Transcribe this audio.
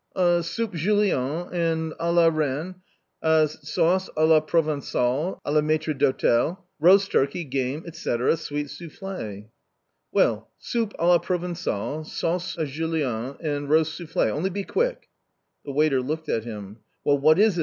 "" Soup julienne and k la reine ; sauce k la provengale, k la maitre d'hotel; roast turkey, game, &c, sweet souffle." "Well, soup h la provencale, sauce julienne, and roast souffle', only be quick !" The waiter looked at him. " Well, what is it